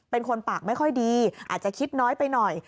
เป็นคนปากไม่ค่อยดีอาจจะคิดน้อยไปหน่อย